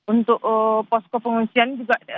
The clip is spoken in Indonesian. untuk posko pengungsian juga